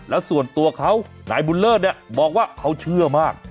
แล้วส่วนตัวเขานายบุญเลิศเนี่ยบอกว่าเขาเชื่อมาก